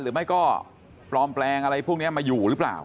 หรือไม่ก็ปลอมแปลงอะไรพวกนี้มาอยู่หรือเปล่า